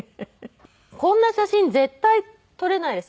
こんな写真絶対撮れないです